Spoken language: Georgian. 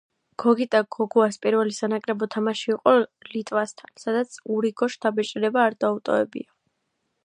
გოგიტა გოგუას პირველი სანაკრებო თამაში იყო ლიტვასთან, სადაც ურიგო შთაბეჭდილება არ დაუტოვებია.